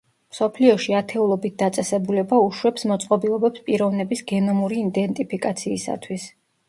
მსოფლიოში ათეულობით დაწესებულება უშვებს მოწყობილობებს პიროვნების გენომური იდენტიფიკაციისათვის.